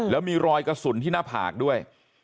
แล้วมีรอยกระสุนที่หน้าผากด้วย